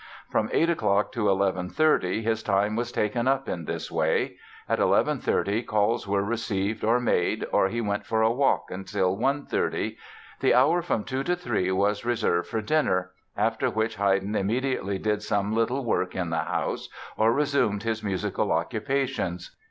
From 8 o'clock to 11.30 his time was taken up in this way. At 11.30 calls were received or made, or he went for a walk until 1.30. The hour from 2 to 3 was reserved for dinner, after which Haydn immediately did some little work in the house or resumed his musical occupations.